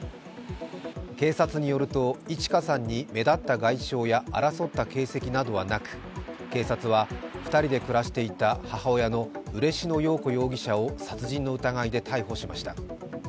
警察によると、いち花さんに目立った外傷や争った形跡などはなく、警察は２人で暮らしていた母親の嬉野陽子容疑者を殺人の疑いで逮捕しました。